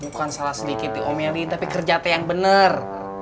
bukan salah sedikit diomelin tapi kerja teh yang bener